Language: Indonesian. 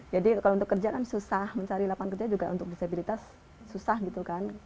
jadi kalau untuk kerja kan susah mencari lapangan kerja juga untuk disabilitas susah gitu kan